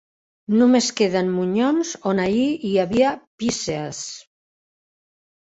Només queden monyons on ahir hi havia pícees.